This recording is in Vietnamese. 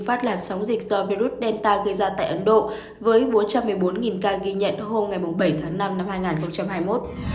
phát làn sóng dịch do virus delta gây ra tại ấn độ với bốn trăm một mươi bốn ca ghi nhận hôm bảy tháng năm năm hai nghìn hai mươi một